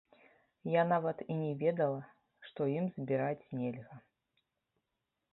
Я нават і не ведала, што ім збіраць нельга!